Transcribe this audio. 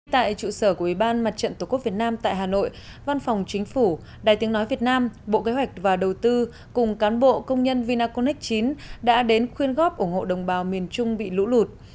tại trụ sở của ủy ban mặt trận tổ quốc việt nam tại hà nội văn phòng chính phủ đài tiếng nói việt nam bộ kế hoạch và đầu tư cùng cán bộ công nhân vinaconex chín đã đến khuyên góp ủng hộ đồng bào miền trung bị lũ lụt